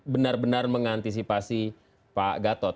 benar benar mengantisipasi pak gatot